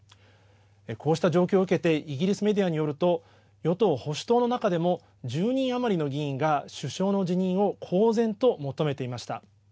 こうした状況を受けてイギリスメディアによると与党・保守党の中でも１０人余りの議員が首相の辞任を公然と求めていました。